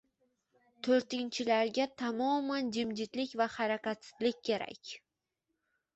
to‘rtinchilarga tamoman jimjitlik va harakatsizlik kerak.